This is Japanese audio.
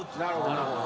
なるほど。